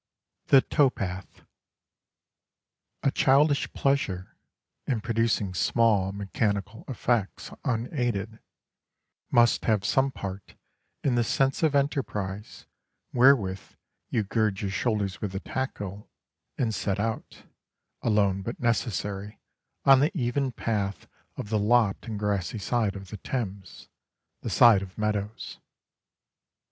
THE TOW PATH A childish pleasure in producing small mechanical effects unaided must have some part in the sense of enterprise wherewith you gird your shoulders with the tackle, and set out, alone but necessary, on the even path of the lopped and grassy side of the Thames the side of meadows.